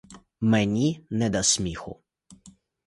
Мені не до сміху.